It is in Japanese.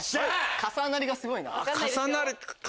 重なりがすごい。